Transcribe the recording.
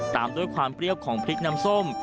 ตามด้วยความเปรี้ยวของพริกน้ำส้ม